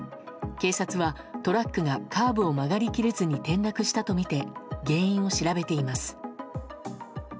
警察は、トラックがカーブを曲がり切れずに転落したとみて原因を調べています。